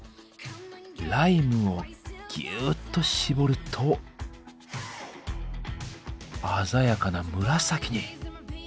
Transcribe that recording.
ライムをぎゅっと搾ると鮮やかな紫に。